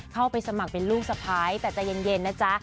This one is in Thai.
เข้าไปสมัครเป็นลูกสะพ้ายแต่ใจเย็นนะจ๊ะ